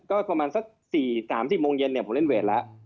ก็ประมาณสัก๔๓๐โมงเย็นผมเล่นเวทแล้ว